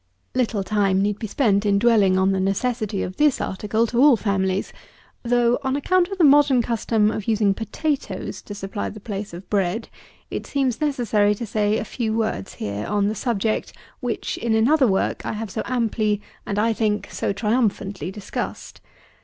77. Little time need be spent in dwelling on the necessity of this article to all families; though, on account of the modern custom of using potatoes to supply the place of bread, it seems necessary to say a few words here on the subject, which, in another work I have so amply, and, I think, so triumphantly discussed.